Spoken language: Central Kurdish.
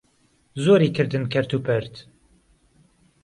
زۆری کردن کەرت و پەرت